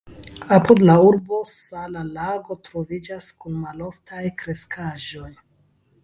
Apud la urbo sala lago troviĝas kun maloftaj kreskaĵoj.